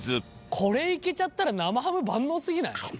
これいけちゃったら生ハム万能すぎない？